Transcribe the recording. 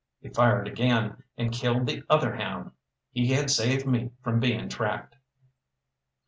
He fired again, and killed the other hound. He had saved me from being tracked.